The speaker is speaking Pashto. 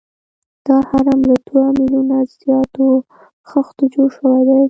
دا هرم له دوه میلیونه زیاتو خښتو جوړ شوی دی.